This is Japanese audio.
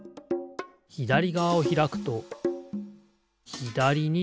ひだりがわをひらくとひだりにころがる。